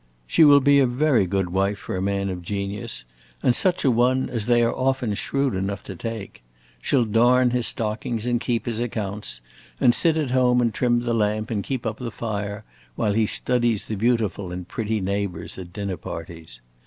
She will be a very good wife for a man of genius, and such a one as they are often shrewd enough to take. She 'll darn his stockings and keep his accounts, and sit at home and trim the lamp and keep up the fire while he studies the Beautiful in pretty neighbors at dinner parties.